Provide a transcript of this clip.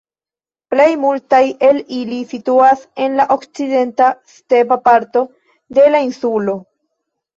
Plej multaj el ili situas en la okcidenta, stepa parto de la insulo.